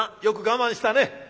よく我慢したね。